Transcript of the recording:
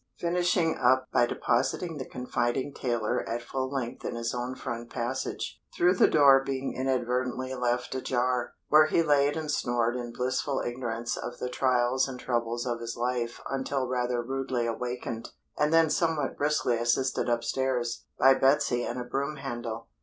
Finishing up by depositing the confiding tailor at full length in his own front passage, through the door being inadvertently left ajar, where he laid and snored in blissful ignorance of the trials and troubles of this life until rather rudely awakened, and then somewhat briskly assisted upstairs, by Betsy and a broom handle.